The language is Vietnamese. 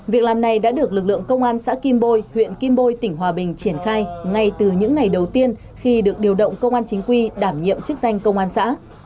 việc làm này đã được lực lượng công an xã kim bôi huyện kim bôi tỉnh hòa bình triển khai ngay từ những ngày đầu tiên khi được điều động công an chính quy đảm nhiệm chức danh công an xã